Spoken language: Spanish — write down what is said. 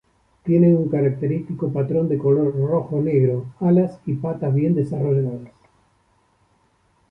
Tienen un característico patrón de color rojo-negro, alas y patas bien desarrolladas.